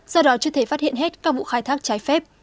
do đó chưa thể phát hiện hết các vụ khai thác trái phép